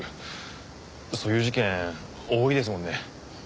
そういう事件多いですもんね。